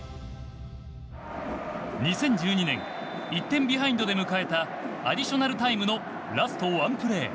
２０１２年１点ビハインドで迎えたアディショナルタイムのラストワンプレー。